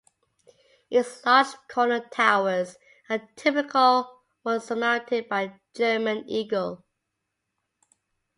Its large corner towers are typical, once surmounted by a German eagle.